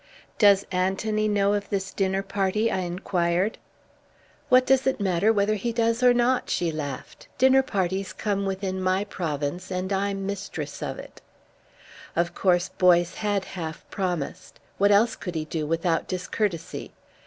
"Does Anthony know of this dinner party?" I enquired. "What does it matter whether he does or not?" she laughed. "Dinner parties come within my province and I'm mistress of it." Of course Boyce had half promised. What else could he do without discourtesy?